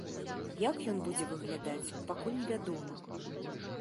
Як ён будзе выглядаць, пакуль невядома.